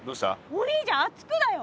お兄ちゃん熱くだよ。